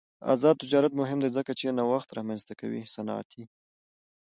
آزاد تجارت مهم دی ځکه چې نوښت رامنځته کوي صنعتي.